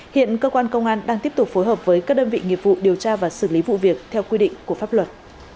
hiện cơ quan công an đang tiếp tục phối hợp với các đơn vị nghiệp vụ điều tra và xử lý vụ việc theo quy định của pháp luật